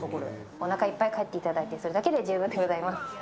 おなかいっぱい帰っていただいて、それだけで十分でございます。